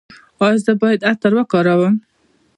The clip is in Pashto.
ایا زه باید عطر وکاروم؟